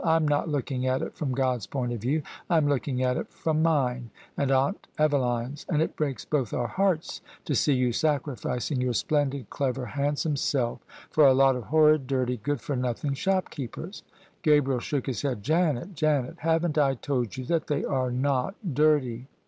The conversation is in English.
" I'm not looking at it from God's point of view: I'm looking at it from mine and Aunt Eveline's ; and it breaks both our hearts to see you sacrificing your splendid, clever, handsome self for a lot of horrid, dirty, good for nothing shopkeepers." Gabriel shook his head. "Janet, Janet, haven't I told you that they are not dirty?"